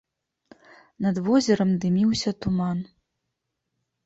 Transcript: Над возерам дыміўся туман.